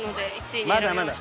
まだまだ。